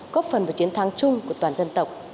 góp phần vào chiến thắng chung của toàn dân tộc